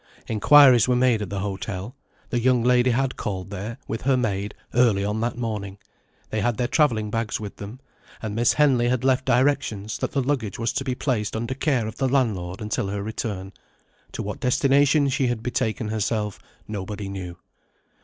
Inquiries were made at the hotel. The young lady had called there, with her maid, early on that morning. They had their travelling bags with them; and Miss Henley had left directions that the luggage was to be placed under care of the landlord until her return. To what destination she had betaken herself nobody knew.